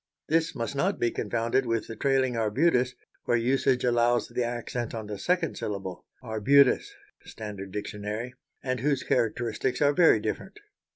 This must not be confounded with the trailing arbutus, where usage allows the accent on the second syllable ar_bu_tus (Standard Dictionary) and whose characteristics are very different.